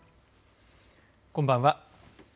こんばんは。